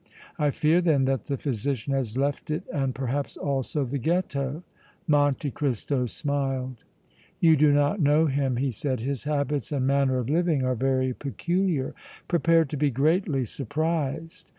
"I fear then that the physician has left it and perhaps also the Ghetto." Monte Cristo smiled. "You do not know him," he said. "His habits and manner of living are very peculiar. Prepare to be greatly surprised!"